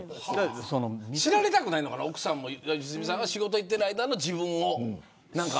知られたくないのかな奥さんも良純さんが仕事行ってる間の自分を。